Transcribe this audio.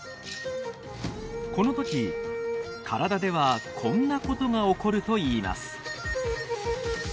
この時体ではこんなことが起こるといいます。